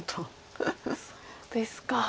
そうですか。